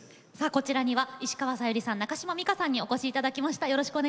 こちらには石川さゆりさん、中島美嘉さんにお越しいただきました。